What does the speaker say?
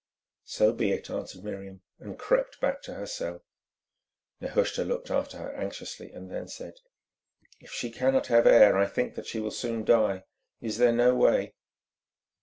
"So be it," answered Miriam, and crept back to her cell. Nehushta looked after her anxiously, then said: "If she cannot have air I think that she will soon die. Is there no way?"